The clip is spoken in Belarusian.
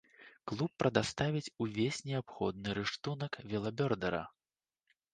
Клуб прадаставіць увесь неабходны рыштунак велабёрдэра.